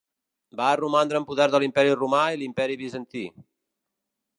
Va romandre en poder de l'Imperi romà i l'Imperi bizantí.